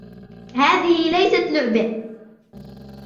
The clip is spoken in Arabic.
هذه ليست لعبة.